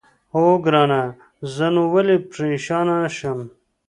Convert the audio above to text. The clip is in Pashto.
اوه، ګرانه زه نو ولې پرېشانه شم؟